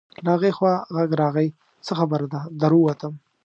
له هغې خوا غږ راغی: څه خبره ده، در ووتم.